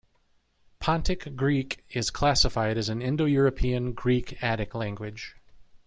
Pontic Greek is classified as an Indo-European, Greek, Attic language.